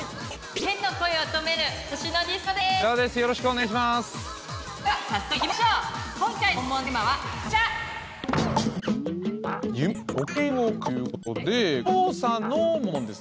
天の声を務めるほしのディスコです！